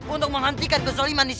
untuk menjaga keamanan